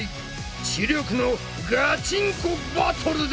知力のガチンコバトルだ！